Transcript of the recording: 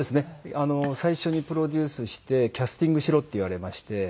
あの最初にプロデュースして「キャスティングしろ」って言われまして。